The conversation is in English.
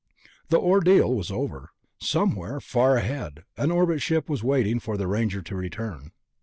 The ordeal was over. Somewhere, far ahead, an orbit ship was waiting for the Ranger to return.